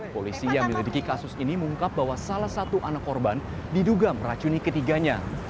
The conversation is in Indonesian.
polisi yang menyelidiki kasus ini mengungkap bahwa salah satu anak korban diduga meracuni ketiganya